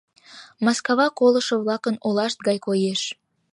Маскава колышо-влакын олашт гай коеш.